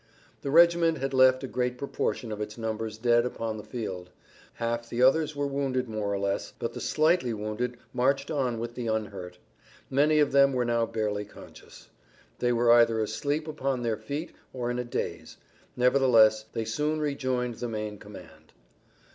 The regiment had left a great proportion of its numbers dead upon the field. Half the others were wounded more or less, but the slightly wounded marched on with the unhurt. Many of them were now barely conscious. They were either asleep upon their feet or in a daze. Nevertheless they soon rejoined the main command.